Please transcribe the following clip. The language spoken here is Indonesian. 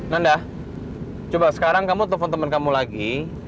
nanda coba sekarang kamu telpon temen kamu lagi